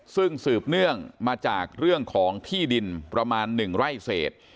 ซึ่งสืบเนื่องมาจากเรื่องของที่ดินประมาณ๑ไร่เศษ